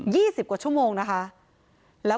ยี่สิบกว่าชั่วโมงนะคะ